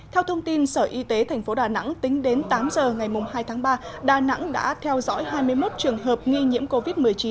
theo thông tin sở y tế tp đà nẵng tính đến tám giờ ngày hai tháng ba đà nẵng đã theo dõi hai mươi một trường hợp nghi nhiễm covid một mươi chín